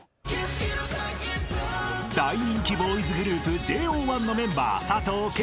［大人気ボーイズグループＪＯ１のメンバー］